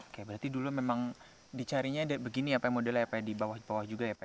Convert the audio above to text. oke berarti dulu memang dicarinya begini ya pak modelnya ya pak ya di bawah bawah juga ya pak